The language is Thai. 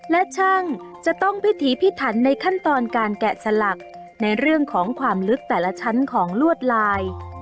และช่างจะต้องพิถีพิถันในขั้นตอนการแกะสลักในเรื่องของความลึกแต่ละชั้นของลวดลาย